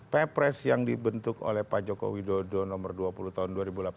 ppres yang dibentuk oleh pak joko widodo nomor dua puluh tahun dua ribu delapan belas dua ribu delapan belas